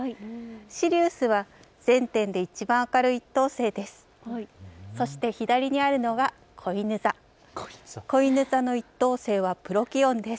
シリウスはいちばん明るい１等星です。